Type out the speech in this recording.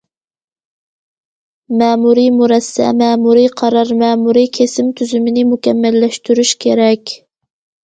مەمۇرىي مۇرەسسە، مەمۇرىي قارار، مەمۇرىي كېسىم تۈزۈمىنى مۇكەممەللەشتۈرۈش كېرەك.